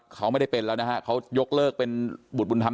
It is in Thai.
เขาไม่ได้เป็นแล้วนะฮะเขายกเลิกเป็นบุตรบุญธรรม